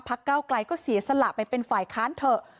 เก้าไกลก็เสียสละไปเป็นฝ่ายค้านเถอะ